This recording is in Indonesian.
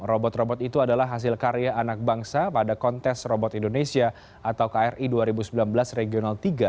robot robot itu adalah hasil karya anak bangsa pada kontes robot indonesia atau kri dua ribu sembilan belas regional tiga